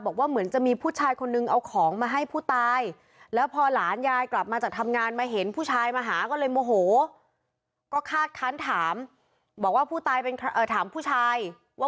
บอกว่าเหมือนจะมีผู้ชายคนนึงเอาของมาให้ผู้ตาย